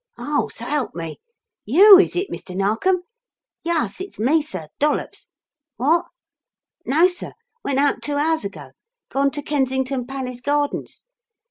Oh, s'elp me. You, is it, Mr. Narkom? Yuss, it's me, sir Dollops. Wot? No, sir. Went out two hours ago. Gone to Kensington Palace Gardens.